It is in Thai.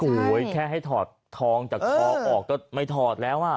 โอ้โหแค่ให้ถอดทองจากคอออกก็ไม่ถอดแล้วอ่ะ